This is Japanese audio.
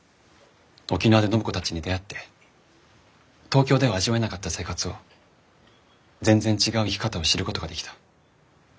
沖縄で暢子たちに出会って東京では味わえなかった生活を全然違う生き方を知ることができた。